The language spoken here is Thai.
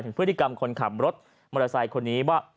พฤติกรรมคนขับรถมอเตอร์ไซค์คนนี้ว่า